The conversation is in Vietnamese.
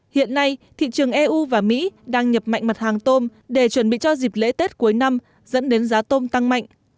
hiện nay thị trường eu và mỹ đang nhập mạnh mặt hàng tôm để chuẩn bị cho dịp lễ tết cuối năm dẫn đến giá tôm tăng mạnh